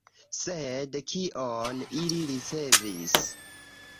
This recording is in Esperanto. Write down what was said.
Sed kion ili ricevis?